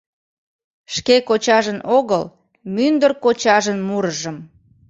Шке кочажын огыл, мӱндыр кочажын мурыжым.